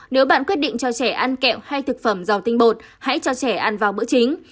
nếu bạn quyết định cho trẻ ăn kẹo hay thực phẩm giàu tinh bột hãy cho trẻ ăn vào bữa chính